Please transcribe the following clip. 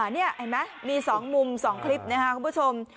นี่เห็นไหมมี๒มุม๒คลิปนะครับคุณผู้ชม